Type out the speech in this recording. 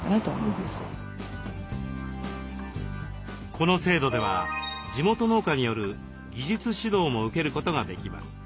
この制度では地元農家による技術指導も受けることができます。